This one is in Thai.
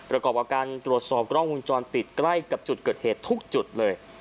ประกอบกับการตรวจสอบกล้องวงจรปิดใกล้กับจุดเกิดเหตุทุกจุดเลย